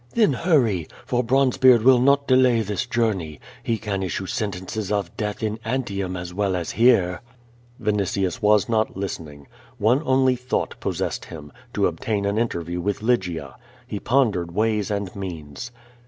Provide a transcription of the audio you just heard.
"Then hurry, for Bronzebcard will not delay this journey. He can issue sentences of death in Antium as well as here." Vinitius was not listening. One only thought possessed him, to ol)tain an interview with Lygia. He pondered ways and means.